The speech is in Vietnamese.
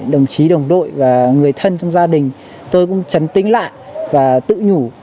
đồng chí đồng đội và người thân trong gia đình tôi cũng trấn tính lại và tự nhủ